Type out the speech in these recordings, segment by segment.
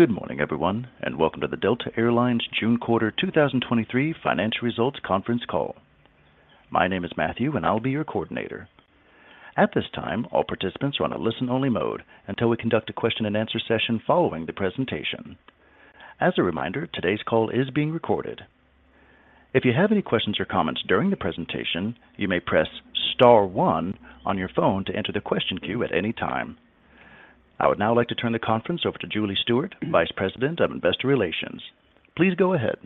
Good morning, everyone, and welcome to the Delta Air Lines June quarter 2023 financial results conference call. My name is Matthew, and I'll be your coordinator. At this time, all participants are on a listen-only mode until we conduct a question-and-answer session following the presentation. As a reminder, today's call is being recorded. If you have any questions or comments during the presentation, you may press Star one on your phone to enter the question queue at any time. I would now like to turn the conference over to Julie Stewart, Vice President of Investor Relations. Please go ahead.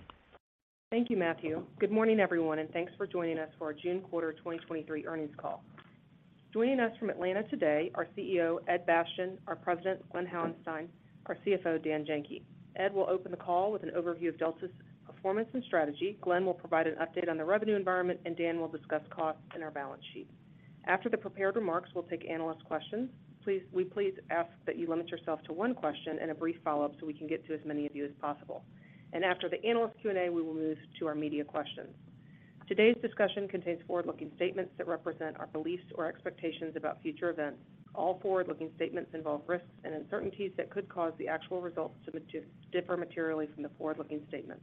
Thank you, Matthew. Good morning, everyone, and thanks for joining us for our June quarter 2023 earnings call. Joining us from Atlanta today, our CEO, Ed Bastian, our President, Glen Hauenstein, our CFO, Dan Janki. Ed will open the call with an overview of Delta's performance and strategy. Glen will provide an update on the revenue environment, and Dan will discuss costs and our balance sheet. After the prepared remarks, we'll take analyst questions. Please, we please ask that you limit yourself to one question and a brief follow-up so we can get to as many of you as possible. After the analyst Q&A, we will move to our media questions. Today's discussion contains forward-looking statements that represent our beliefs or expectations about future events. All forward-looking statements involve risks and uncertainties that could cause the actual results to differ materially from the forward-looking statements.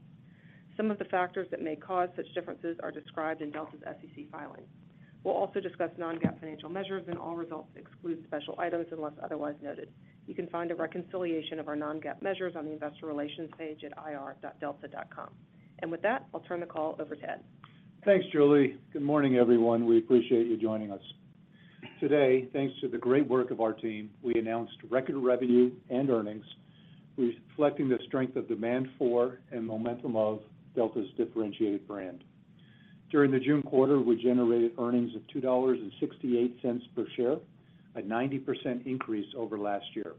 Some of the factors that may cause such differences are described in Delta's SEC filing. We'll also discuss non-GAAP financial measures, and all results exclude special items unless otherwise noted. You can find a reconciliation of our non-GAAP measures on the investor relations page at ir.delta.com. With that, I'll turn the call over to Ed. Thanks, Julie. Good morning, everyone. We appreciate you joining us. Today, thanks to the great work of our team, we announced record revenue and earnings, reflecting the strength of demand for and momentum of Delta's differentiated brand. During the June quarter, we generated earnings of $2.68 per share, a 90% increase over last year.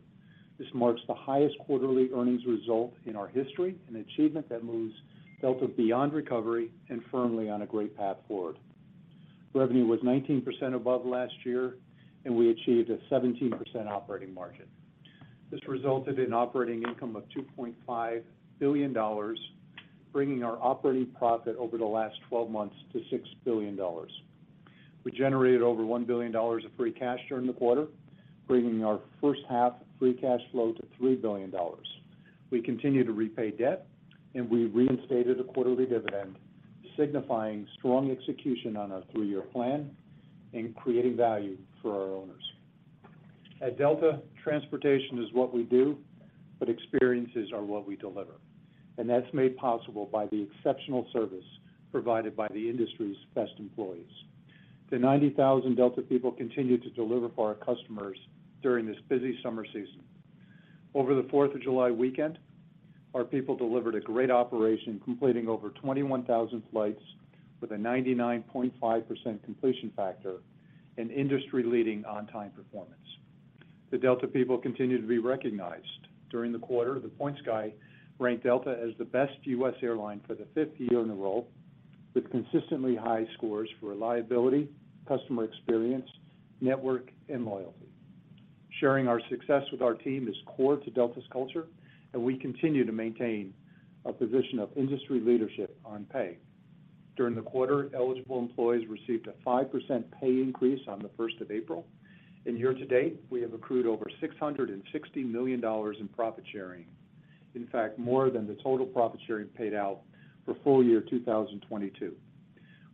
This marks the highest quarterly earnings result in our history, an achievement that moves Delta beyond recovery and firmly on a great path forward. Revenue was 19% above last year, and we achieved a 17% operating margin. This resulted in operating income of $2.5 billion, bringing our operating profit over the last 12 months to $6 billion. We generated over $1 billion of free cash during the quarter, bringing our first half free cash flow to $3 billion. We continue to repay debt, and we reinstated a quarterly dividend, signifying strong execution on our 3-year plan and creating value for our owners. At Delta, transportation is what we do, but experiences are what we deliver, and that's made possible by the exceptional service provided by the industry's best employees. The 90,000 Delta people continued to deliver for our customers during this busy summer season. Over the 4th of July weekend, our people delivered a great operation, completing over 21,000 flights with a 99.5% completion factor and industry-leading on-time performance. The Delta people continue to be recognized. During the quarter, The Points Guy ranked Delta as the best U.S. airline for the fifth year in a row, with consistently high scores for reliability, customer experience, network, and loyalty. Sharing our success with our team is core to Delta's culture, and we continue to maintain a position of industry leadership on pay. During the quarter, eligible employees received a 5% pay increase on the 1st of April, and year-to-date, we have accrued over $660 million in profit sharing. In fact, more than the total profit sharing paid out for full-year 2022.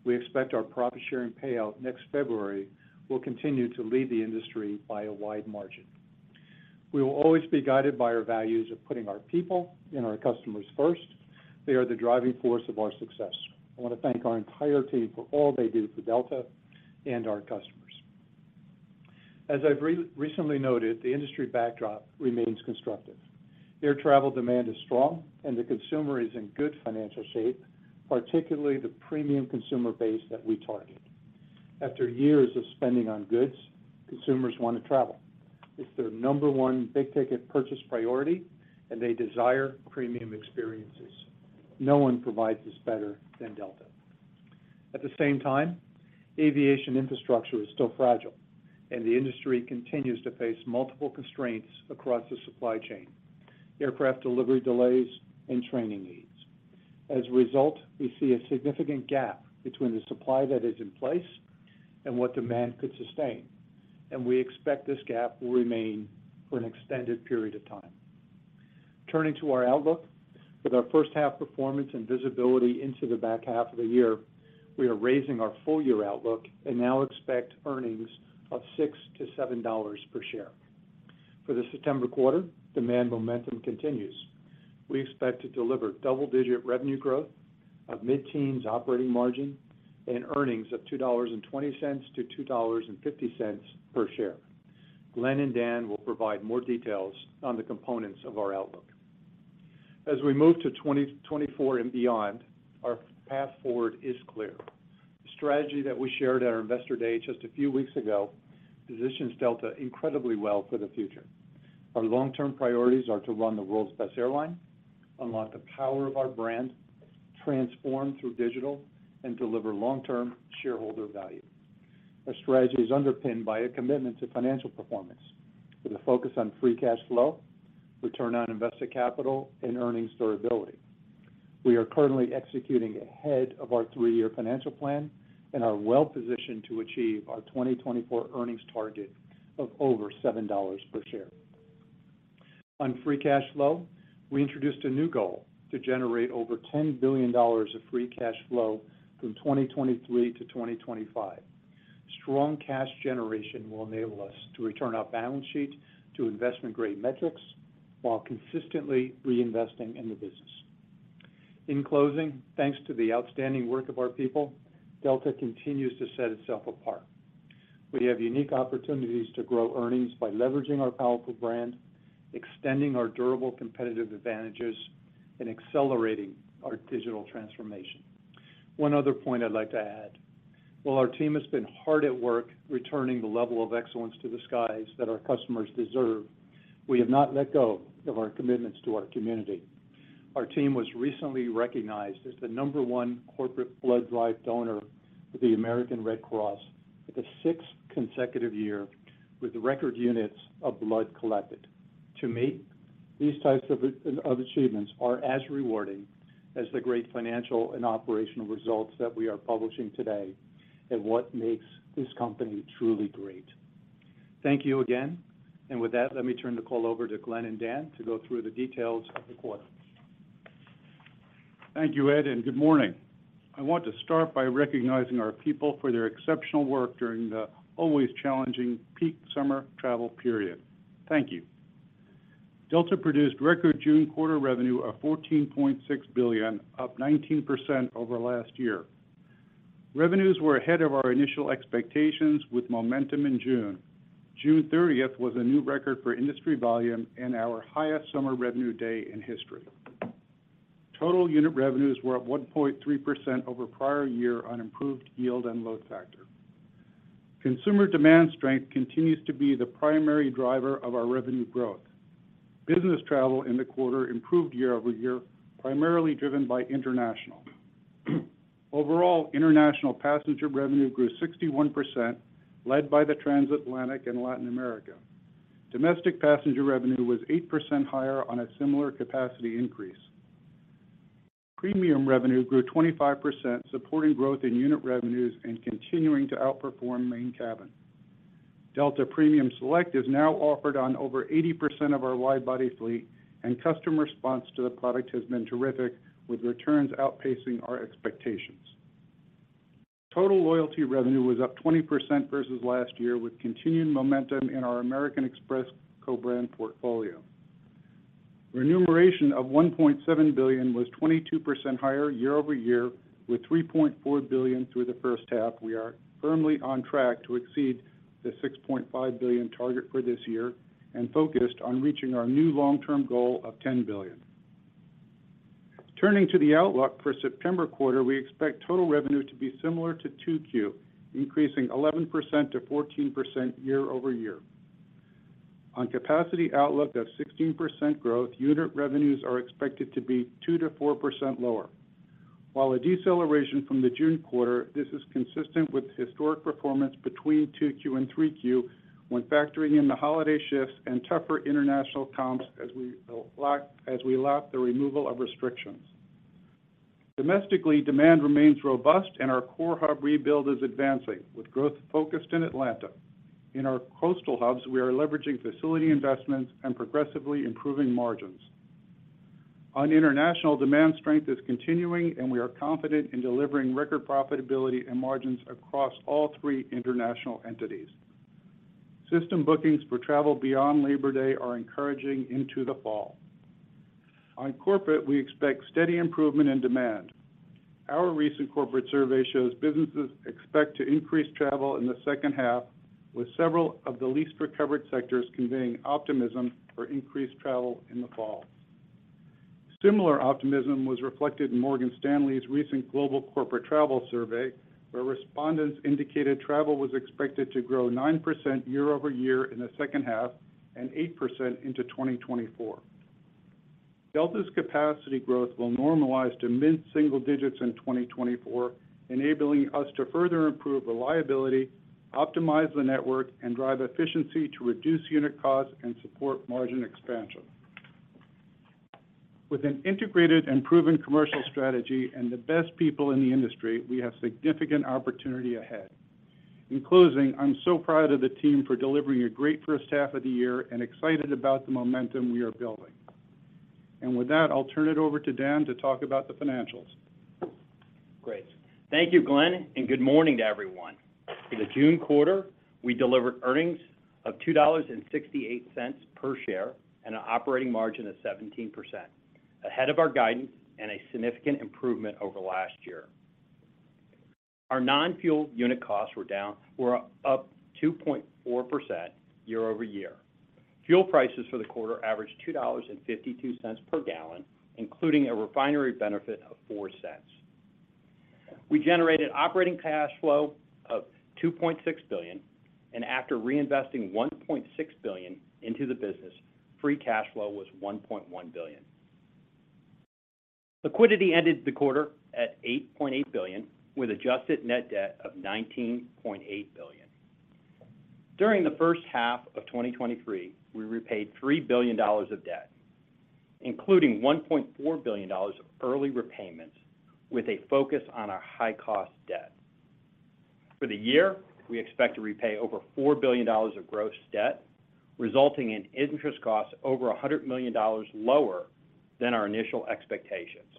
We expect our profit sharing payout next February will continue to lead the industry by a wide margin. We will always be guided by our values of putting our people and our customers first. They are the driving force of our success. I want to thank our entire team for all they do for Delta and our customers. As I've recently noted, the industry backdrop remains constructive. Air travel demand is strong, and the consumer is in good financial shape, particularly the premium consumer base that we target. After years of spending on goods, consumers want to travel. It's their number one big-ticket purchase priority, and they desire premium experiences. No one provides this better than Delta. At the same time, aviation infrastructure is still fragile, and the industry continues to face multiple constraints across the supply chain, aircraft delivery delays, and training needs. As a result, we see a significant gap between the supply that is in place and what demand could sustain, and we expect this gap will remain for an extended period of time. Turning to our outlook. With our first half performance and visibility into the back half of the year, we are raising our full-year outlook and now expect earnings of $6-$7 per share. For the September quarter, demand momentum continues. We expect to deliver double-digit revenue growth of mid-teens operating margin and earnings of $2.20-$2.50 per share. Glen and Dan will provide more details on the components of our outlook. As we move to 2024 and beyond, our path forward is clear. The strategy that we shared at our Investor Day just a few weeks ago, positions Delta incredibly well for the future. Our long-term priorities are to run the world's best airline, unlock the power of our brand, transform through digital, and deliver long-term shareholder value. Our strategy is underpinned by a commitment to financial performance, with a focus on free cash flow, return on invested capital, and earnings durability.... We are currently executing ahead of our 3-year financial plan, and are well-positioned to achieve our 2024 earnings target of over $7 per share. On free cash flow, we introduced a new goal to generate over $10 billion of free cash flow from 2023-2025. Strong cash generation will enable us to return our balance sheet to investment-grade metrics, while consistently reinvesting in the business. In closing, thanks to the outstanding work of our people, Delta continues to set itself apart. We have unique opportunities to grow earnings by leveraging our powerful brand, extending our durable competitive advantages, and accelerating our digital transformation. One other point I'd like to add: while our team has been hard at work returning the level of excellence to the skies that our customers deserve, we have not let go of our commitments to our community. Our team was recently recognized as the number one corporate blood drive donor to the American Red Cross for the sixth consecutive year, with record units of blood collected. To me, these types of achievements are as rewarding as the great financial and operational results that we are publishing today, and what makes this company truly great. Thank you again. With that, let me turn the call over to Glen and Dan to go through the details of the quarter. Thank you, Ed. Good morning. I want to start by recognizing our people for their exceptional work during the always challenging peak summer travel period. Thank you. Delta produced record June quarter revenue of $14.6 billion, up 19% over last year. Revenues were ahead of our initial expectations with momentum in June. June 30th was a new record for industry volume and our highest summer revenue day in history. Total unit revenues were up 1.3% over prior year on improved yield and load factor. Consumer demand strength continues to be the primary driver of our revenue growth. Business travel in the quarter improved year-over-year, primarily driven by international. Overall, international passenger revenue grew 61%, led by the Transatlantic and Latin America. Domestic passenger revenue was 8% higher on a similar capacity increase. Premium revenue grew 25%, supporting growth in unit revenues and continuing to outperform main cabin. Delta Premium Select is now offered on over 80% of our wide-body fleet, and customer response to the product has been terrific, with returns outpacing our expectations. Total loyalty revenue was up 20% versus last year, with continued momentum in our American Express co-brand portfolio. Remuneration of $1.7 billion was 22% higher year-over-year, with $3.4 billion through the first half. We are firmly on track to exceed the $6.5 billion target for this year, and focused on reaching our new long-term goal of $10 billion. Turning to the outlook for September quarter, we expect total revenue to be similar to 2Q, increasing 11%-14% year-over-year. On capacity outlook of 16% growth, unit revenues are expected to be 2%-4% lower. While a deceleration from the June quarter, this is consistent with historic performance between 2Q and 3Q, when factoring in the holiday shifts and tougher international comps, as we lap the removal of restrictions. Domestically, demand remains robust and our core hub rebuild is advancing, with growth focused in Atlanta. In our Coastal Hubs, we are leveraging facility investments and progressively improving margins. On International, demand strength is continuing and we are confident in delivering record profitability and margins across all three international entities. System bookings for travel beyond Labor Day are encouraging into the fall. On Corporate, we expect steady improvement in demand. Our recent corporate survey shows businesses expect to increase travel in the second half, with several of the least recovered sectors conveying optimism for increased travel in the fall. Similar optimism was reflected in Morgan Stanley's recent Global Corporate Travel Survey, where respondents indicated travel was expected to grow 9% year-over-year in the second half, and 8% into 2024. Delta's capacity growth will normalize to mid-single digits in 2024, enabling us to further improve reliability, optimize the network, and drive efficiency to reduce unit costs and support margin expansion. With an integrated and proven commercial strategy and the best people in the industry, we have significant opportunity ahead. In closing, I'm so proud of the team for delivering a great first half of the year and excited about the momentum we are building. With that, I'll turn it over to Dan to talk about the financials. Great. Thank you, Glen, good morning to everyone. In the June quarter, we delivered earnings of $2.68 per share and an operating margin of 17%, ahead of our guidance and a significant improvement over last year. Our non-fuel unit costs were up 2.4% year-over-year. Fuel prices for the quarter averaged $2.52 per gallon, including a refinery benefit of $0.04. We generated operating cash flow of $2.6 billion, after reinvesting $1.6 billion into the business, free cash flow was $1.1 billion. Liquidity ended the quarter at $8.8 billion, with adjusted net debt of $19.8 billion. During the first half of 2023, we repaid $3 billion of debt, including $1.4 billion of early repayments, with a focus on our high-cost debt. For the year, we expect to repay over $4 billion of gross debt, resulting in interest costs over $100 million lower than our initial expectations.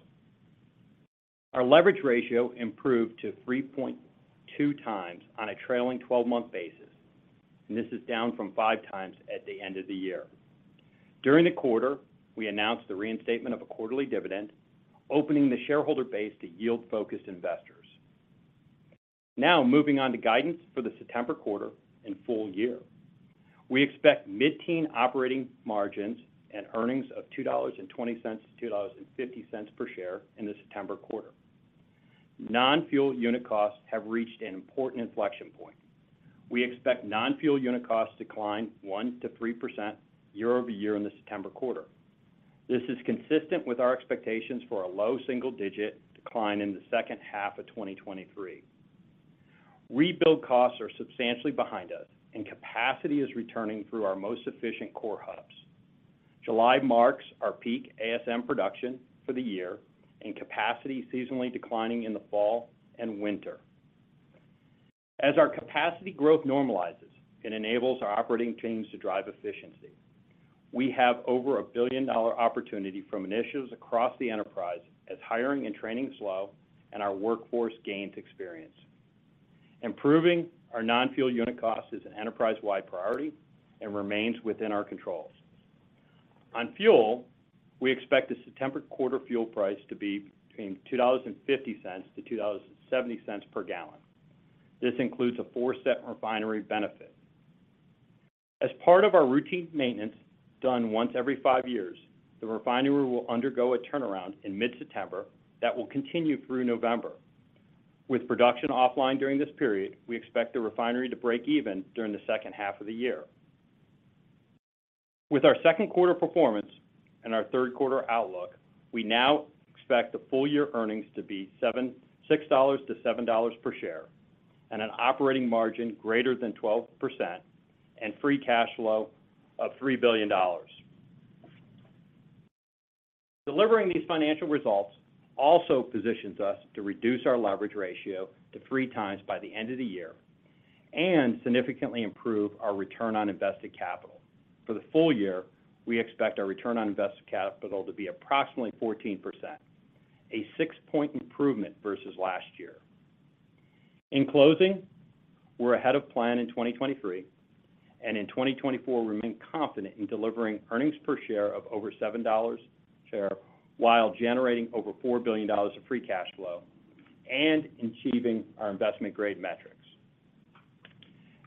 Our leverage ratio improved to 3.2x on a trailing 12-month basis. This is down from 5x at the end of the year. During the quarter, we announced the reinstatement of a quarterly dividend, opening the shareholder base to yield-focused investors. Moving on to guidance for the September quarter and full year. We expect mid-teen operating margins and earnings of $2.20-$2.50 per share in the September quarter. Non-fuel unit costs have reached an important inflection point. We expect non-fuel unit costs to decline 1%-3% year-over-year in the September quarter. This is consistent with our expectations for a low single-digit decline in the second half of 2023. Rebuild costs are substantially behind us, and capacity is returning through our most efficient core hubs. July marks our peak ASM production for the year, and capacity seasonally declining in the fall and winter. As our capacity growth normalizes, it enables our operating teams to drive efficiency. We have over a billion-dollar opportunity from initiatives across the enterprise as hiring and training slow and our workforce gains experience. Improving our non-fuel unit cost is an enterprise-wide priority and remains within our controls. On fuel, we expect the September quarter fuel price to be between $2.50-$2.70 per gallon. This includes a four-cent refinery benefit. As part of our routine maintenance done once every five years, the refinery will undergo a turnaround in mid-September that will continue through November. With production offline during this period, we expect the refinery to break even during the second half of the year. With our 2Q performance and our 3Q outlook, we now expect the full-year earnings to be $6-$7 per share, an operating margin greater than 12%, free cash flow of $3 billion. Delivering these financial results also positions us to reduce our leverage ratio to three times by the end of the year and significantly improve our return on invested capital. For the full-year, we expect our return on invested capital to be approximately 14%, a 6-point improvement versus last year. In closing, we're ahead of plan in 2023. In 2024, we remain confident in delivering earnings per share of over $7 a share, while generating over $4 billion of free cash flow and achieving our investment-grade metrics.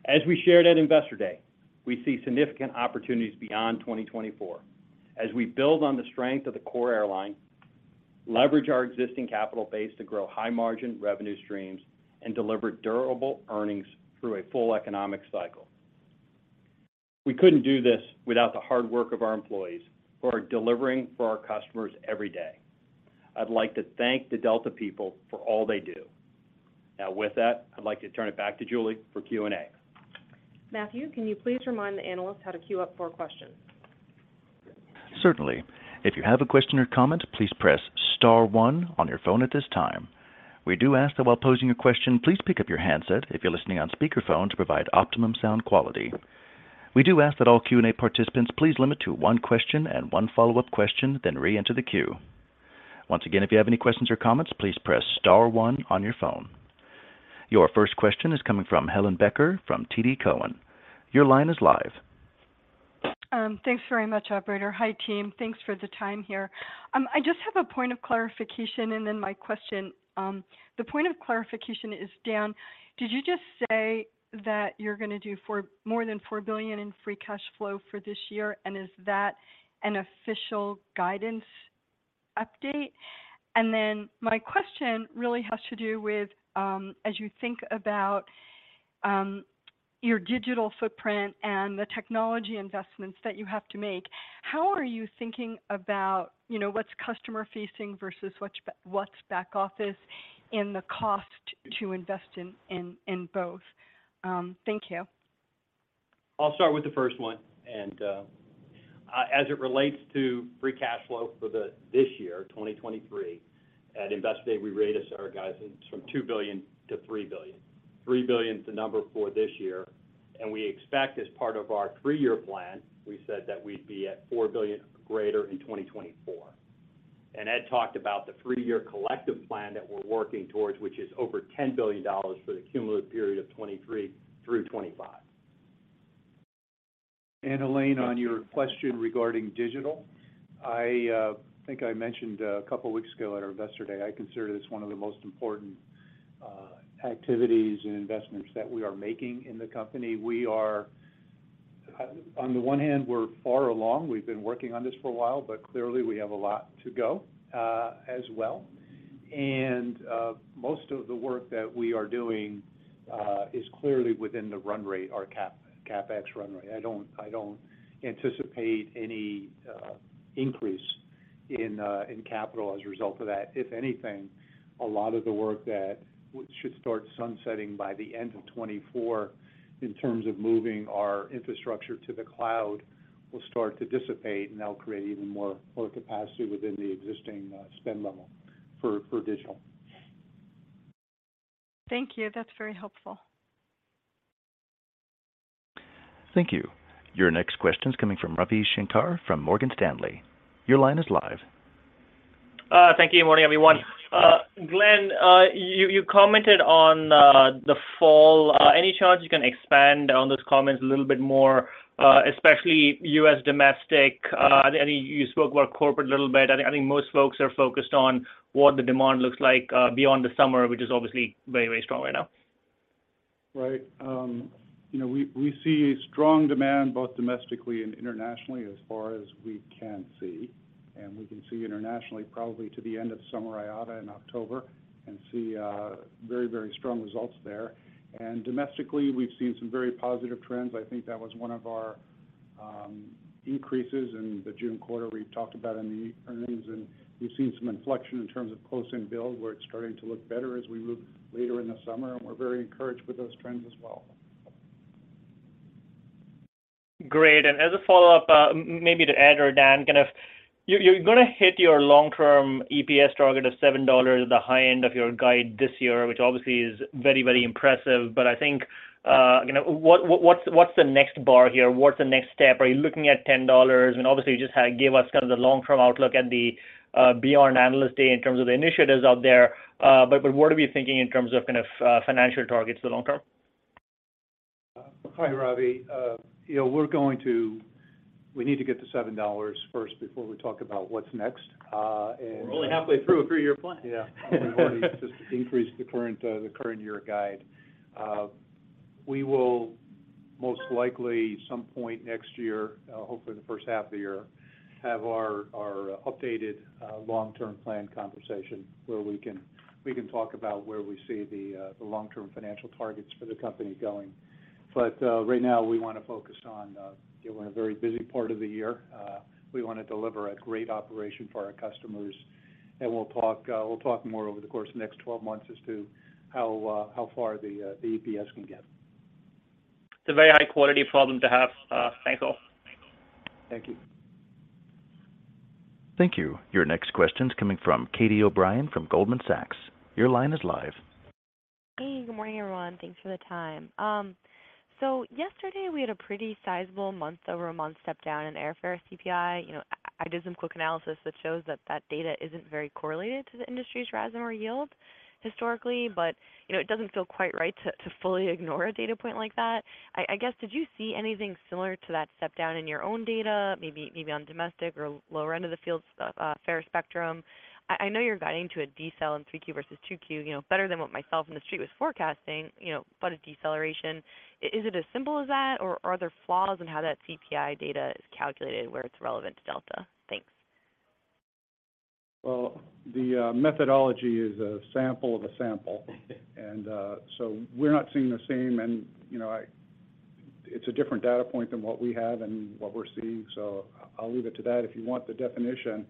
As we shared at Investor Day, we see significant opportunities beyond 2024 as we build on the strength of the core airline, leverage our existing capital base to grow high-margin revenue streams, and deliver durable earnings through a full economic cycle. We couldn't do this without the hard work of our employees who are delivering for our customers every day. I'd like to thank the Delta people for all they do. With that, I'd like to turn it back to Julie for Q&A. Matthew, can you please remind the analyst how to queue up for questions? Certainly. If you have a question or comment, please press Star one on your phone at this time. We do ask that while posing a question, please pick up your handset if you're listening on speaker phone, to provide optimum sound quality. We do ask that all Q&A participants, please limit to one question and one follow-up question, then reenter the queue. Once again, if you have any questions or comments, please press Star one on your phone. Your first question is coming from Helane Becker, from TD Cowen. Your line is live. Thanks very much, operator. Hi, team. Thanks for the time here. I just have a point of clarification, then my question. The point of clarification is, Dan, did you just say that you're gonna do more than $4 billion in free cash flow for this year? Is that an official guidance update? My question really has to do with, as you think about your digital footprint and the technology investments that you have to make, how are you thinking about, you know, what's customer-facing versus what's back office and the cost to invest in both? Thank you. I'll start with the first one, as it relates to free cash flow for this year, 2023, at Investor Day, we raised our guidance from $2 billion-$3 billion. $3 billion is the number for this year, we expect as part of our 3-year plan, we said that we'd be at $4 billion or greater in 2024. Ed talked about the 3-year collective plan that we're working towards, which is over $10 billion for the cumulative period of 2023 through 2025. Elaine, on your question regarding digital, I think I mentioned 2 weeks ago at our Investor Day, I consider this one of the most important activities and investments that we are making in the company. On the one hand, we're far along. We've been working on this for a while, but clearly, we have a lot to go as well. Most of the work that we are doing is clearly within the run rate, our CapEx run rate. I don't anticipate any increase in capital as a result of that. If anything, a lot of the work that should start sunsetting by the end of 2024, in terms of moving our infrastructure to the cloud, will start to dissipate and that'll create even more capacity within the existing spend level for digital. Thank you. That's very helpful. Thank you. Your next question's coming from Ravi Shanker from Morgan Stanley. Your line is live. Thank you, good morning, everyone. Glen, you commented on the fall. Any chance you can expand on those comments a little bit more, especially U.S. domestic? I think you spoke about corporate a little bit. I think most folks are focused on what the demand looks like beyond the summer, which is obviously very, very strong right now. Right. you know, we see strong demand both domestically and internationally, as far as we can see. We can see internationally, probably to the end of summer, IATA in October, and see very, very strong results there. Domestically, we've seen some very positive trends. I think that was one of our increases in the June quarter we talked about in the earnings, and we've seen some inflection in terms of close-in build, where it's starting to look better as we move later in the summer, and we're very encouraged with those trends as well. Great. As a follow-up, maybe to Ed or Dan, you're gonna hit your long-term EPS target of $7 at the high end of your guide this year, which obviously is very, very impressive. I think, you know, what's the next bar here? What's the next step? Are you looking at $10? obviously, you just gave us the long-term outlook at the beyond Analyst Day in terms of the initiatives out there. what are we thinking in terms of financial targets for the long term? Hi, Ravi. you know, We need to get to $7 first before we talk about what's next. We're only halfway through a three-year plan. Yeah. We've already just increased the current, the current year guide. We will most likely, at some point next year, hopefully the first half of the year, have our updated, long-term plan conversation, where we can, we can talk about where we see the long-term financial targets for the company going. Right now we want to focus on, you know, we're in a very busy part of the year. We want to deliver a great operation for our customers, and we'll talk, we'll talk more over the course of the next 12 months as to how far the EPS can get. It's a very high-quality problem to have. Thank you. Thank you. Thank you. Your next question's coming from Catie O'Brien, from Goldman Sachs. Your line is live. Hey, good morning, everyone. Thanks for the time. Yesterday, we had a pretty sizable month-over-month step down in airfare CPI. You know, I did some quick analysis that shows that that data isn't very correlated to the industry's RASM or yield historically, it doesn't feel quite right to fully ignore a data point like that. I guess, did you see anything similar to that step down in your own data, maybe on domestic or lower end of the field, fare spectrum? I know you're guiding to a decel in 3Q versus 2Q, you know, better than what myself and The Street was forecasting, you know, a deceleration. Is it as simple as that, or are there flaws in how that CPI data is calculated, where it's relevant to Delta? Thanks. Well, the methodology is a sample of a sample. We're not seeing the same and, you know, it's a different data point than what we have and what we're seeing. I'll leave it to that. If you want the definition,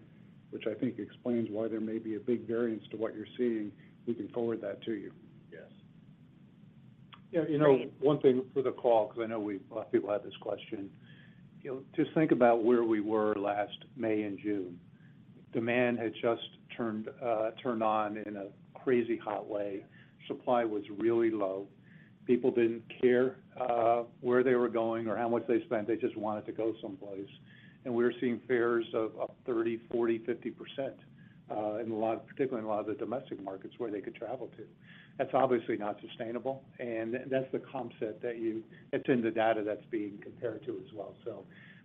which I think explains why there may be a big variance to what you're seeing, we can forward that to you. Yes. Great. Yeah, you know, one thing for the call, because I know a lot of people had this question. You know, just think about where we were last May and June. Demand had just turned on in a crazy, hot way. Supply was really low. People didn't care where they were going or how much they spent, they just wanted to go someplace. We were seeing fares of up 30%, 40%, 50% in a lot of, particularly in a lot of the domestic markets where they could travel to. That's obviously not sustainable, and that's the concept that it's in the data that's being compared to as well.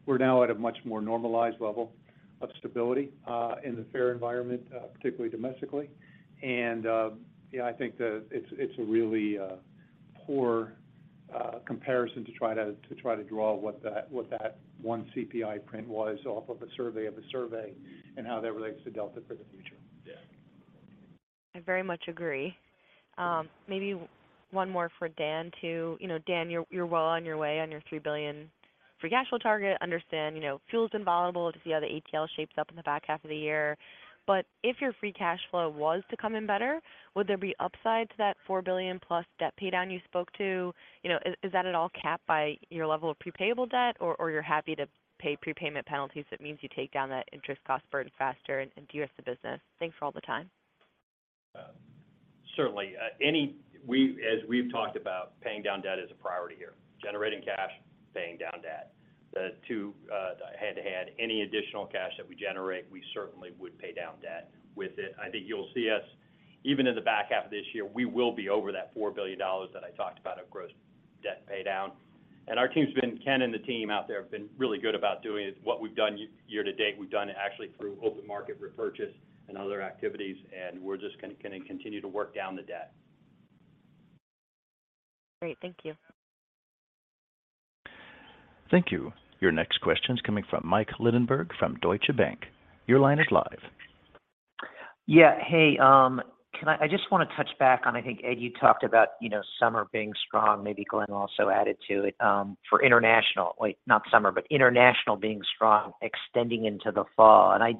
We're now at a much more normalized level of stability in the fare environment, particularly domestically. Yeah, I think that it's a really poor comparison to try to draw what that one CPI print was off of a survey, and how that relates to Delta for the future. Yeah. I very much agree. Maybe one more for Dan, too. You know, Dan, you're well on your way on your $3 billion free cash flow target. Understand, you know, fuel's been volatile to see how the ATL shapes up in the back half of the year. If your free cash flow was to come in better, would there be upside to that $4 billion+ debt paydown you spoke to? You know, is that at all capped by your level of prepayable debt, or you're happy to pay prepayment penalties? That means you take down that interest cost burden faster and de-risk the business. Thanks for all the time. Certainly, as we've talked about, paying down debt is a priority here. Generating cash, paying down debt. The two, hand in hand, any additional cash that we generate, we certainly would pay down debt with it. I think you'll see us, even in the back half of this year, we will be over that $4 billion that I talked about of gross debt paydown. Ken and the team out there have been really good about doing it. What we've done year to date, we've done it actually through open market repurchase and other activities, and we're just gonna continue to work down the debt. Great. Thank you. Thank you. Your next question is coming from Michael Linenberg from Deutsche Bank. Your line is live. Yeah. Hey, I just want to touch back on, I think, Ed, you talked about, you know, summer being strong, maybe Glen also added to it, for international. Wait, not summer, but international being strong, extending into the fall. I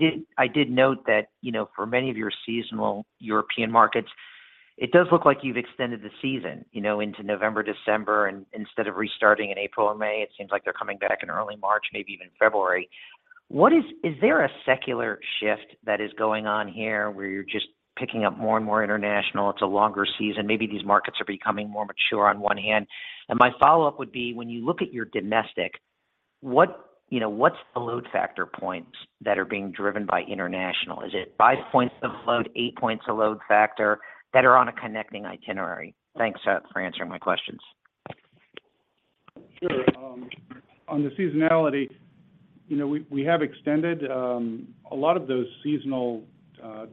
did note that, you know, for many of your seasonal European markets, it does look like you've extended the season, you know, into November, December, and instead of restarting in April and May, it seems like they're coming back in early March, maybe even February. Is there a secular shift that is going on here where you're just picking up more and more international? It's a longer season. Maybe these markets are becoming more mature on one hand. My follow-up would be: when you look at your domestic, what, you know, what's the load factor points that are being driven by international? Is it 5 points of load, 8 points of load factor that are on a connecting itinerary? Thanks for answering my questions. Sure. On the seasonality, you know, we have extended a lot of those seasonal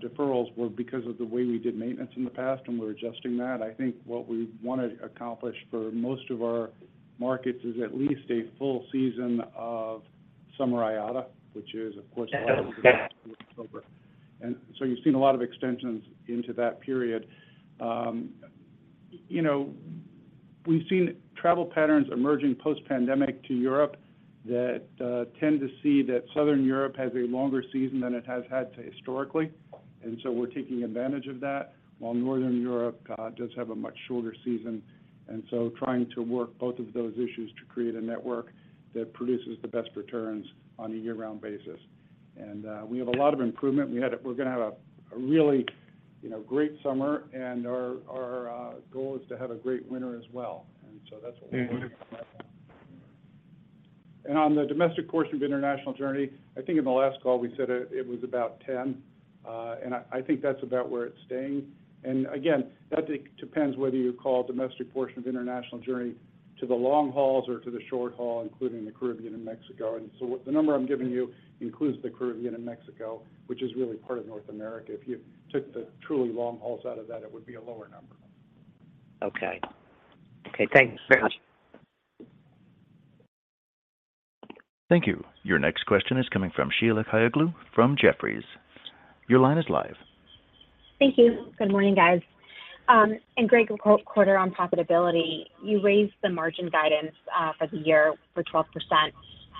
deferrals were because of the way we did maintenance in the past, and we're adjusting that. I think what we want to accomplish for most of our markets is at least a full season of summer IATA, which is, of course- Yeah October. You've seen a lot of extensions into that period. You know, we've seen travel patterns emerging post-pandemic to Europe that tend to see that Southern Europe has a longer season than it has had historically, so we're taking advantage of that, while Northern Europe does have a much shorter season, so trying to work both of those issues to create a network that produces the best returns on a year-round basis. We have a lot of improvement. We're gonna have a really, you know, great summer, and our goal is to have a great winter as well. That's what we- Mm-hmm. On the domestic portion of international journey, I think in the last call, we said it was about 10, and I think that's about where it's staying. Again, that depends whether you call domestic portion of international journey to the long hauls or to the short haul, including the Caribbean and Mexico. The number I'm giving you includes the Caribbean and Mexico, which is really part of North America. If you took the truly long hauls out of that, it would be a lower number. Okay. Okay, thanks very much. Thank you. Your next question is coming from Sheila Kahyaoglu from Jefferies. Your line is live. Thank you. Good morning, guys. Great quarter on profitability, you raised the margin guidance for the year for 12%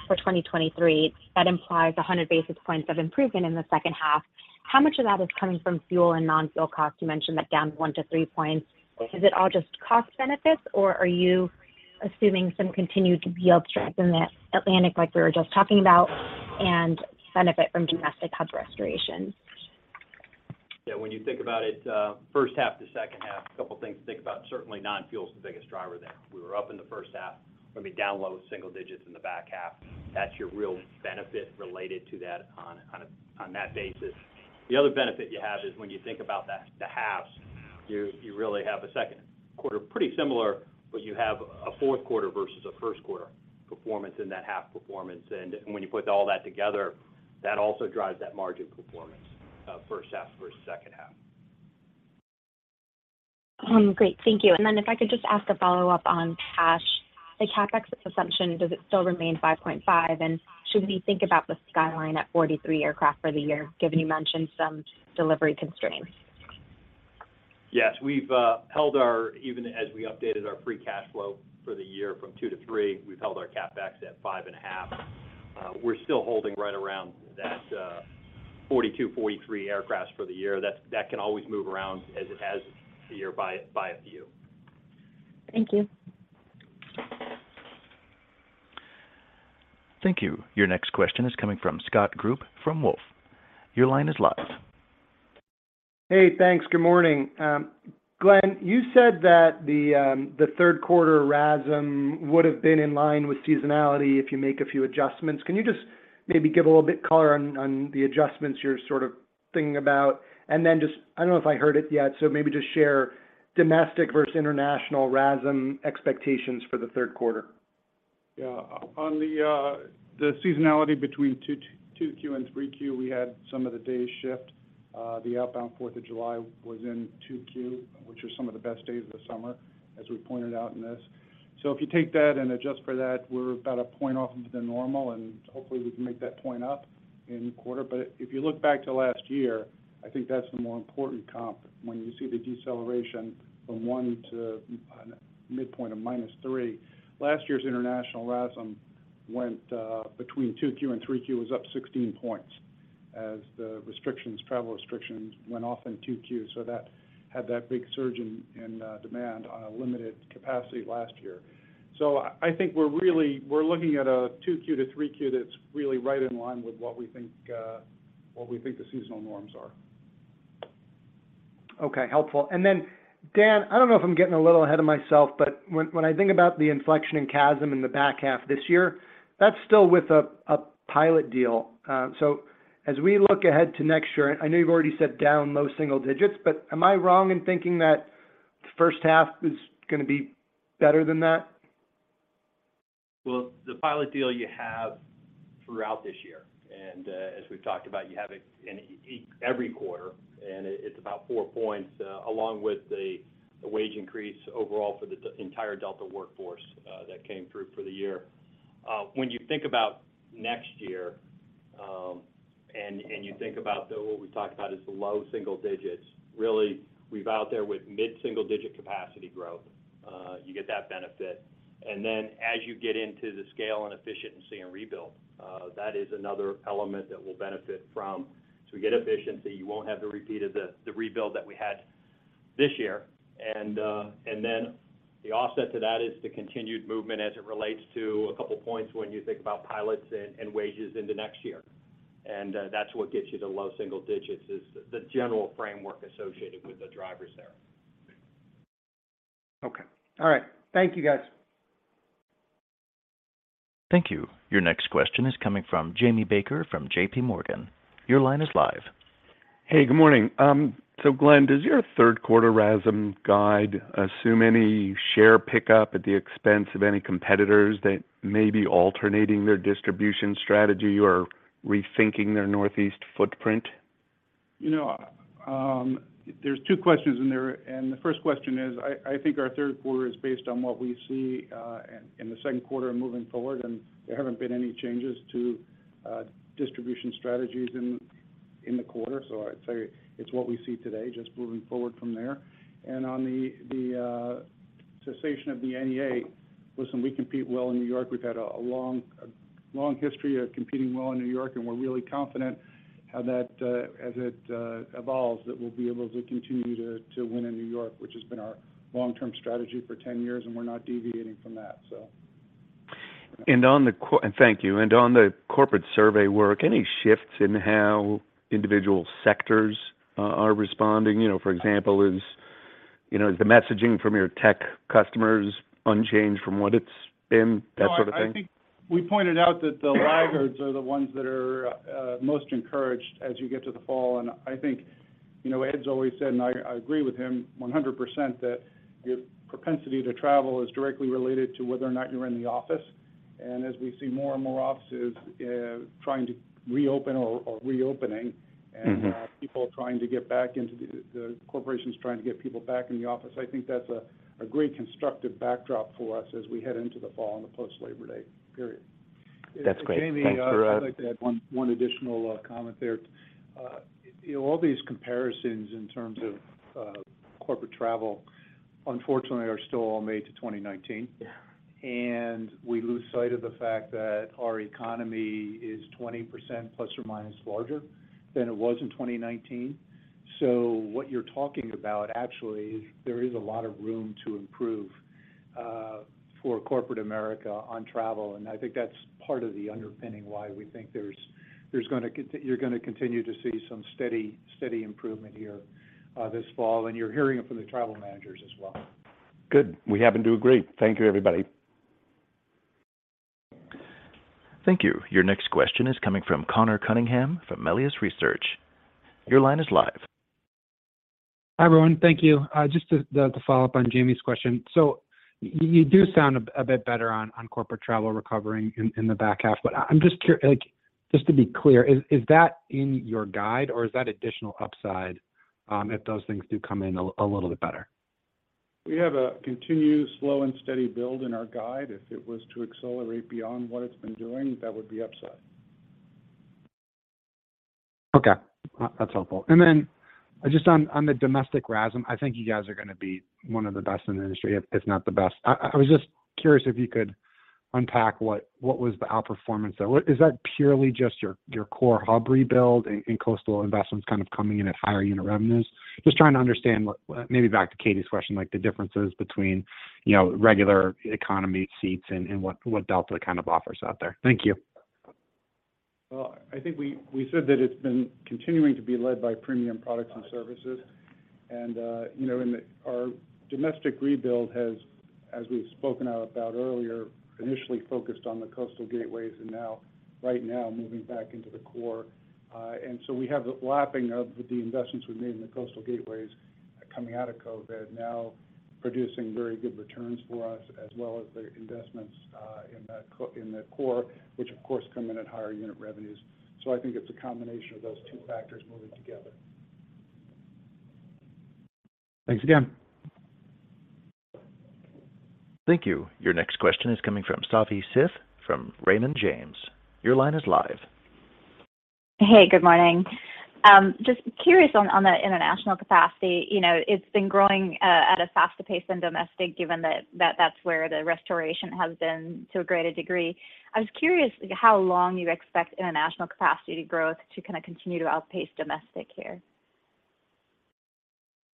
for 2023. That implies 100 basis points of improvement in the second half. How much of that is coming from fuel and non-fuel costs? You mentioned that down 1-3 points. Is it all just cost benefits, or are you assuming some continued yield strength in the Atlantic, like we were just talking about, and benefit from domestic hub restoration? Yeah, when you think about it, first half to second half, a couple things to think about. Certainly, non-fuel is the biggest driver there. We were up in the first half, going to be down low single-digits in the back half. That's your real benefit related to that on that basis. The other benefit you have is when you think about the halves, you really have a second quarter, pretty similar, but you have a fourth quarter versus a first quarter performance in that half performance. When you put all that together, that also drives that margin performance, first half versus second half. Great. Thank you. Then if I could just ask a follow-up on cash. The CapEx assumption, does it still remain $5.5? Should we think about the skyline at 43 aircraft for the year, given you mentioned some delivery constraints? Yes, we've held our even as we updated our free cash flow for the year from $2-$3, we've held our CapEx at $5.5. We're still holding right around that, 42, 43 aircraft for the year. That can always move around as it has the year by a few. Thank you. Thank you. Your next question is coming from Scott Group from Wolfe. Your line is live. Hey, thanks. Good morning. Glen, you said that the third quarter RASM would have been in line with seasonality if you make a few adjustments. Can you just maybe give a little bit color on the adjustments you're sort of thinking about? Then just, I don't know if I heard it yet, so maybe just share domestic versus international RASM expectations for the third quarter. On the seasonality between 2Q and 3Q, we had some of the days shift. The outbound 4th of July was in 2Q, which are some of the best days of the summer, as we pointed out in this. If you take that and adjust for that, we're about a point off of the normal, and hopefully, we can make that point up in the quarter. If you look back to last year, I think that's the more important comp when you see the deceleration from 1 to midpoint of -3. Last year's international RASM went between 2Q and 3Q, was up 16 points as the restrictions, travel restrictions went off in 2Q. That had that big surge in demand on a limited capacity last year. I think we're looking at a 2Q to 3Q, that's really right in line with what we think, what we think the seasonal norms are. Helpful. Dan, I don't know if I'm getting a little ahead of myself, but when I think about the inflection in CASM in the back half this year, that's still with a pilot deal. As we look ahead to next year, I know you've already said down low single digits, but am I wrong in thinking that the first half is gonna be better than that? The pilot deal you have throughout this year. As we've talked about, you have it in every quarter, and it's about 4 points, along with the wage increase overall for the entire Delta workforce, that came through for the year. When you think about next year, and you think about the, what we talked about as the low single-digits, really, we've out there with mid-single-digit capacity growth, you get that benefit. As you get into the scale and efficiency and rebuild, that is another element that we'll benefit from. We get efficiency, you won't have the repeat of the rebuild that we had this year. The offset to that is the continued movement as it relates to a couple points when you think about pilots and wages into next year. That's what gets you to low single-digits, is the general framework associated with the drivers there. Okay. All right. Thank you, guys. Thank you. Your next question is coming from Jamie Baker from JPMorgan. Your line is live. Hey, good morning. Glen, does your third quarter RASM guide assume any share pickup at the expense of any competitors that may be alternating their distribution strategy or rethinking their Northeast footprint? You know, there's 2 questions in there. The first question is, I think our third quarter is based on what we see in the second quarter and moving forward, and there haven't been any changes to distribution strategies in the quarter. I'd say it's what we see today, just moving forward from there. On the cessation of the NEA, listen, we compete well in New York. We've had a long history of competing well in New York, and we're really confident how that as it evolves, that we'll be able to continue to win in New York, which has been our long-term strategy for 10 years, and we're not deviating from that, so. Thank you. On the corporate survey work, any shifts in how individual sectors are responding? For example, is, you know, is the messaging from your tech customers unchanged from what it's been, that sort of thing? No, I think we pointed out that the laggards are the ones that are most encouraged as you get to the fall. I think, you know, Ed's always said, and I agree with him 100%, that your propensity to travel is directly related to whether or not you're in the office. As we see more and more offices, trying to reopen or reopening. Mm-hmm And people trying to get back into the corporations trying to get people back in the office, I think that's a great constructive backdrop for us as we head into the fall and the post-Labor Day period. That's great. Thanks for. Jamie, I'd like to add one additional comment there. You know, all these comparisons in terms of corporate travel, unfortunately, are still all made to 2019. We lose sight of the fact that our economy is 20%±, larger than it was in 2019. What you're talking about, actually, is there is a lot of room to improve for Corporate America on travel. I think that's part of the underpinning why we think there's, you're gonna continue to see some steady improvement here, this fall, and you're hearing it from the travel managers as well. Good. We happen to agree. Thank you, everybody. Thank you. Your next question is coming from Conor Cunningham from Melius Research. Your line is live. Hi, everyone. Thank you. Just to follow-up on Jamie's question: you do sound a bit better on corporate travel recovering in the back half, but I'm just like, just to be clear, is that in your guide, or is that additional upside, if those things do come in a little bit better? We have a continued slow and steady build in our guide. If it was to accelerate beyond what it's been doing, that would be upside. Okay. That's helpful. Just on the domestic RASM, I think you guys are gonna be one of the best in the industry, if not the best. I was just curious if you could unpack what was the outperformance, though? Is that purely just your core hub rebuild and coastal investments kind of coming in at higher unit revenues? Just trying to understand what. Maybe back to Catie's question, like, the differences between, you know, regular economy seats and what Delta kind of offers out there. Thank you. Well, I think we said that it's been continuing to be led by premium products and services. You know, our domestic rebuild has, as we've spoken about earlier, initially focused on the coastal gateways and now, right now, moving back into the core. We have the lapping of the investments we've made in the coastal gateways coming out of COVID, now producing very good returns for us, as well as the investments in the core, which of course, come in at higher unit revenues. I think it's a combination of those two factors moving together. Thanks again. Thank you. Your next question is coming from Savanthi Syth from Raymond James. Your line is live. Hey, good morning. Just curious on the international capacity. You know, it's been growing at a faster pace than domestic, given that that's where the restoration has been to a greater degree. I was curious how long you expect international capacity growth to kind of continue to outpace domestic here?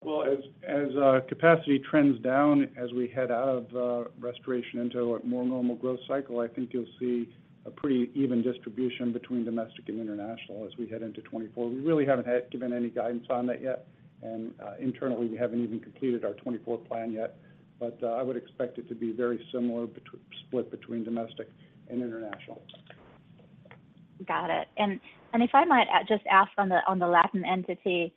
Well, as capacity trends down as we head out of restoration into a more normal growth cycle, I think you'll see a pretty even distribution between domestic and international as we head into 2024. We really haven't given any guidance on that yet, and internally, we haven't even completed our 2024 plan yet. I would expect it to be very similar split between domestic and international. Got it. If I might just ask on the Latin entity,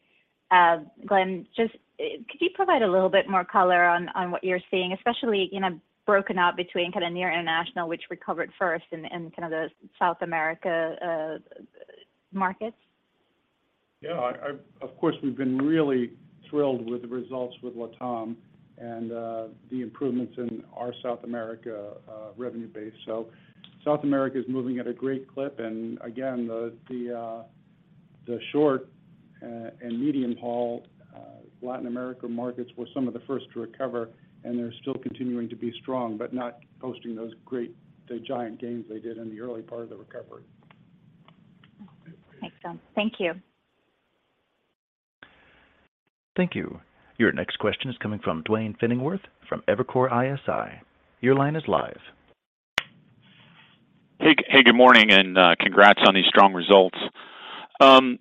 Glen, just, could you provide a little bit more color on what you're seeing, especially, you know, broken out between kind of near international, which recovered first and kind of the South America markets? Yeah, I, of course, we've been really thrilled with the results with LATAM and the improvements in our South America revenue base. South America is moving at a great clip, and again, the short and medium-haul Latin America markets were some of the first to recover, and they're still continuing to be strong, but not posting those great giant gains they did in the early part of the recovery. Thanks, Glen. Thank you. Thank you. Your next question is coming from Duane Pfennigwerth from Evercore ISI. Your line is live. Hey, hey, good morning, congrats on these strong results. On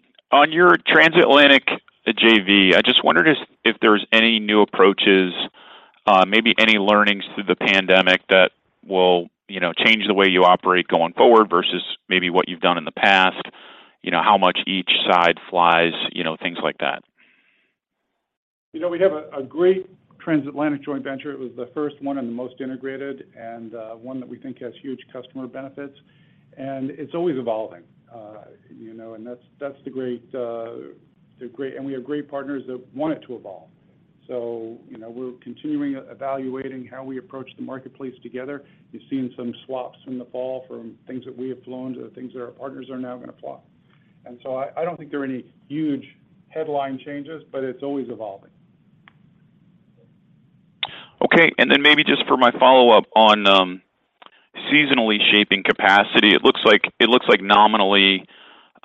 your transatlantic JV, I just wondered if there was any new approaches, maybe any learnings through the pandemic that will, you know, change the way you operate going forward versus maybe what you've done in the past, you know, how much each side flies, you know, things like that? You know, we have a great transatlantic joint venture. It was the first one and the most integrated, and one that we think has huge customer benefits, and it's always evolving. You know, and that's the great, the great. And we have great partners that want it to evolve. You know, we're continuing evaluating how we approach the marketplace together. You've seen some swaps in the fall from things that we have flown to the things that our partners are now gonna fly. I don't think there are any huge headline changes, but it's always evolving. Okay. Then maybe just for my follow-up on seasonally shaping capacity, it looks like nominally,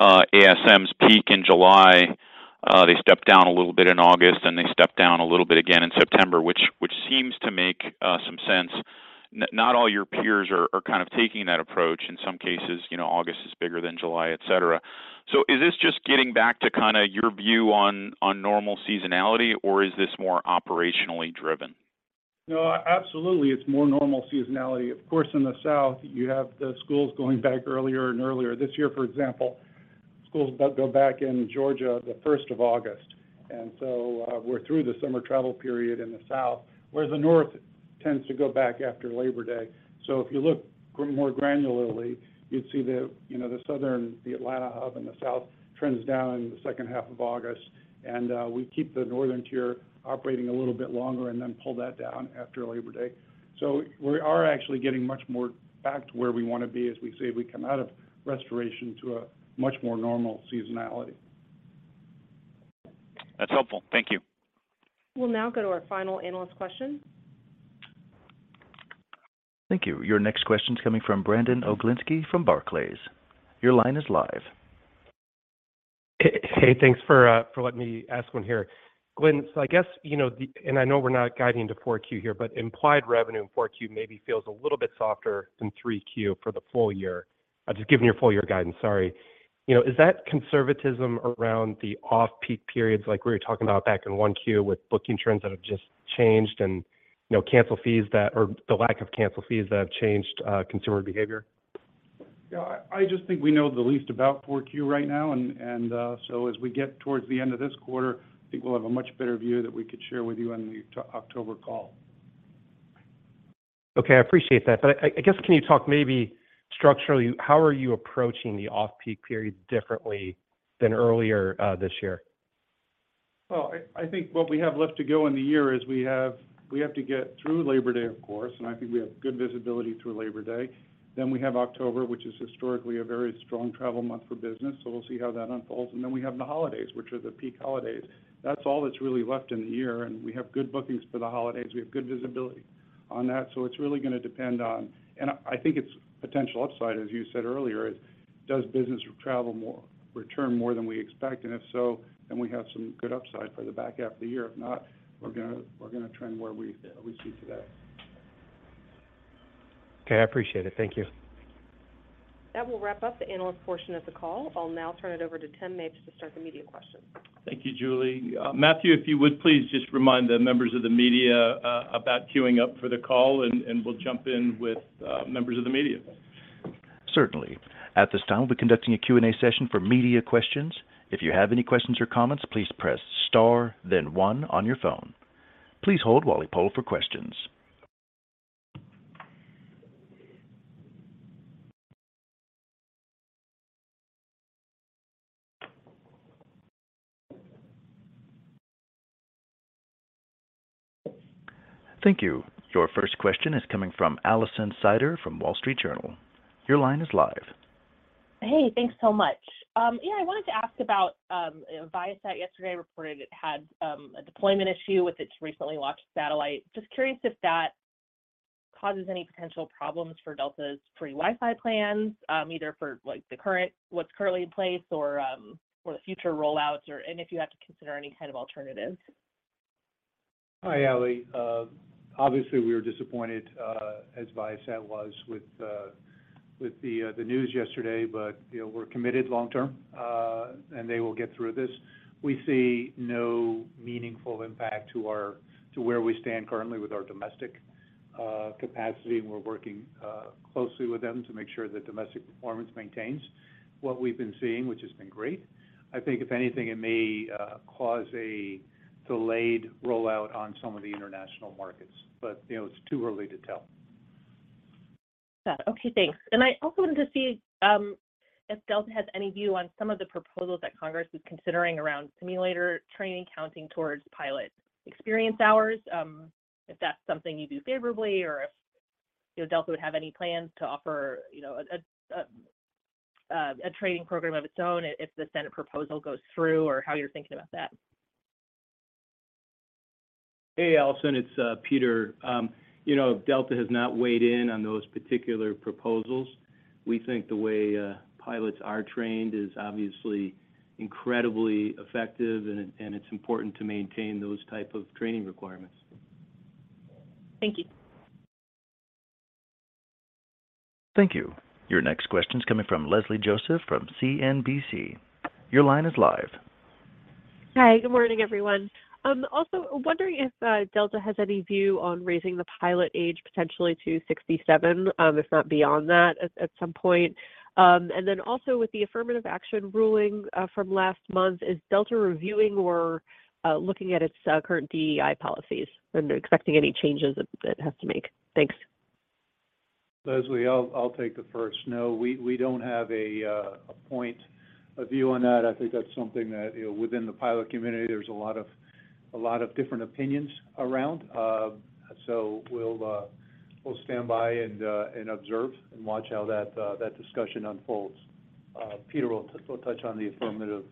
ASMs peak in July, they stepped down a little bit in August, and they stepped down a little bit again in September, which seems to make some sense. Not all your peers are kind of taking that approach. In some cases, you know, August is bigger than July, et cetera. Is this just getting back to kind of your view on normal seasonality, or is this more operationally driven? No, absolutely, it's more normal seasonality. Of course, in the South, you have the schools going back earlier and earlier. This year, for example, schools go back in Georgia, the 1st of August. We're through the summer travel period in the South, whereas the North tends to go back after Labor Day. If you look more granularly, you'd see the, you know, the Southern, the Atlanta hub in the South trends down in the second half of August. We keep the Northern tier operating a little bit longer and then pull that down after Labor Day. We are actually getting much more back to where we want to be. As we say, we come out of restoration to a much more normal seasonality. That's helpful. Thank you. We'll now go to our final analyst question. Thank you. Your next question is coming from Brandon Oglenski from Barclays. Your line is live. Hey, thanks for letting me ask one here. Glen, I guess, you know, I know we're not guiding into 4Q here, but implied revenue in 4Q maybe feels a little bit softer than 3Q for the full-year. Just giving you your full-year guidance, sorry. You know, is that conservatism around the off-peak periods like we were talking about back in 1Q with booking trends that have just changed and, you know, cancel fees that or the lack of cancel fees that have changed, consumer behavior? I just think we know the least about 4Q right now, and as we get towards the end of this quarter, I think we'll have a much better view that we could share with you on the October call. Okay, I appreciate that. I guess, can you talk maybe structurally, how are you approaching the off-peak periods differently than earlier this year? Well, I think what we have left to go in the year is we have to get through Labor Day, of course. I think we have good visibility through Labor Day. We have October, which is historically a very strong travel month for business. We'll see how that unfolds. We have the holidays, which are the peak holidays. That's all that's really left in the year. We have good bookings for the holidays. We have good visibility on that. It's really gonna depend on. I think it's potential upside, as you said earlier, is does business travel more, return more than we expect? If so, we have some good upside for the back half of the year. If not, we're gonna trend where we see today. Okay, I appreciate it. Thank you. That will wrap up the analyst portion of the call. I'll now turn it over to Tim Mapes to start the media questions. Thank you, Julie. Matthew, if you would, please just remind the members of the media, about queuing up for the call, and we'll jump in with members of the media. Certainly. At this time, we're conducting a Q&A session for media questions. If you have any questions or comments, please press Star then one on your phone. Please hold while we poll for questions. Thank you. Your first question is coming from Alison Sider, from The Wall Street Journal. Your line is live. Hey, thanks so much. Yeah, I wanted to ask about, Viasat yesterday reported it had, a deployment issue with its recently launched satellite. Just curious if that causes any potential problems for Delta's free Wi-Fi plans, either for, like, what's currently in place or, for the future rollouts, or, and if you have to consider any kind of alternatives. Hi, Allie. Obviously, we were disappointed, as Viasat was with the news yesterday, but, you know, we're committed long-term, and they will get through this. We see no meaningful impact to where we stand currently with our domestic capacity, and we're working closely with them to make sure that domestic performance maintains what we've been seeing, which has been great. I think if anything, it may cause a delayed rollout on some of the international markets, but, you know, it's too early to tell. Got it. Okay, thanks. I also wanted to see, if Delta has any view on some of the proposals that Congress is considering around simulator training, counting towards pilot experience hours, if that's something you view favorably, or if, you know, Delta would have any plans to offer, you know, a training program of its own if the Senate proposal goes through, or how you're thinking about that? Hey, Alison, it's Peter. You know, Delta has not weighed in on those particular proposals. We think the way pilots are trained is obviously incredibly effective, and it's important to maintain those type of training requirements. Thank you. Thank you. Your next question is coming from Leslie Josephs, from CNBC. Your line is live. Hi. Good morning, everyone. I'm also wondering if Delta has any view on raising the pilot age potentially to 67, if not beyond that at some point? With the affirmative action ruling, from last month, is Delta reviewing or looking at its current DEI policies and expecting any changes it has to make? Thanks. Leslie, I'll take the first. We don't have a point of view on that. I think that's something that, you know, within the pilot community, there's a lot of different opinions around. We'll stand by and observe and watch how that discussion unfolds. Peter will touch on the affirmative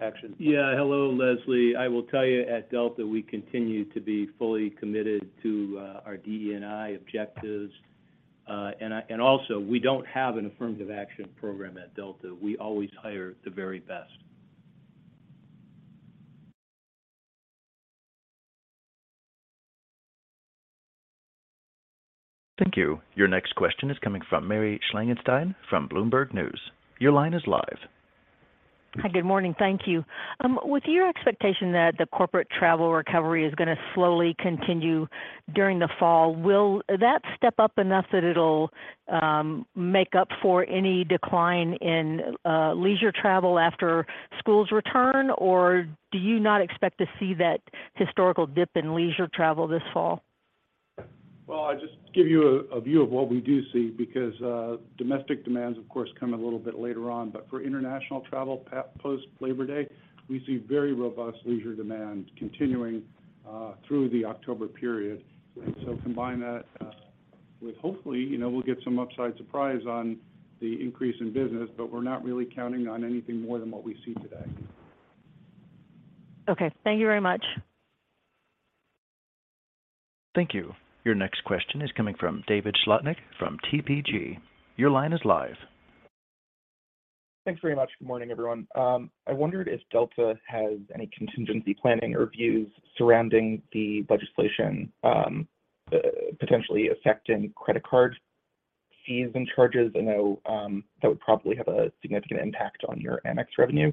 action. Yeah. Hello, Leslie. I will tell you, at Delta, we continue to be fully committed to our DE&I objectives. Also, we don't have an affirmative action program at Delta. We always hire the very best. Thank you. Your next question is coming from Mary Schlangenstein from Bloomberg News. Your line is live. Hi, good morning. Thank you. With your expectation that the corporate travel recovery is gonna slowly continue during the fall, will that step up enough that it'll make up for any decline in leisure travel after schools return, or do you not expect to see that historical dip in leisure travel this fall? Well, I'll just give you a view of what we do see, because domestic demands, of course, come a little bit later on. For international travel, post-Labor Day, we see very robust leisure demand continuing through the October period. Combine that with hopefully, you know, we'll get some upside surprise on the increase in business, but we're not really counting on anything more than what we see today. Okay. Thank you very much. Thank you. Your next question is coming from David Slotnick from TPG. Your line is live. Thanks very much. Good morning, everyone. I wondered if Delta has any contingency planning or views surrounding the legislation, potentially affecting credit card fees and charges. I know that would probably have a significant impact on your Amex revenue.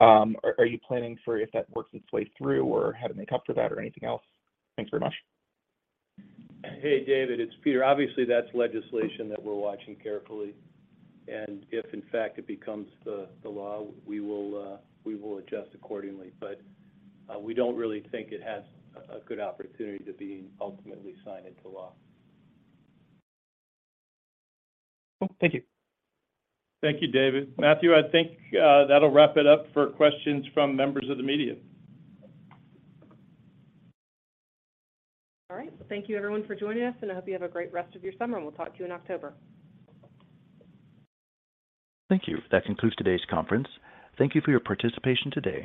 Are you planning for if that works its way through, or how to make up for that or anything else? Thanks very much. Hey, David, it's Peter. Obviously, that's legislation that we're watching carefully, and if, in fact, it becomes the law, we will adjust accordingly. We don't really think it has a good opportunity to be ultimately signed into law. Cool. Thank you. Thank you, David. Matthew, I think, that'll wrap it up for questions from members of the media. All right. Thank you, everyone, for joining us, and I hope you have a great rest of your summer, and we'll talk to you in October. Thank you. That concludes today's conference. Thank you for your participation today.